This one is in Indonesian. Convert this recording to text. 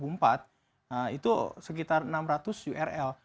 nah itu sekitar enam ratus url